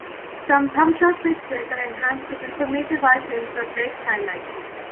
Some thumbshot pictures are enhanced with informative icons or text highlights.